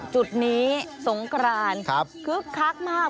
จุดนี้สงกรานคึกคักมาก